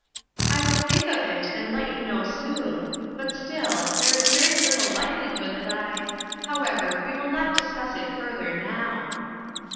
"I will think of it, and let you know soon. But still, there is very little likelihood that I however, we will not discuss it further now."